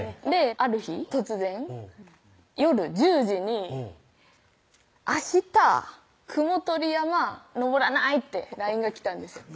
ある日突然夜１０時に「明日雲取山登らない？」ってＬＩＮＥが来たんですよ